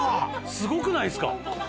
すごくないですか？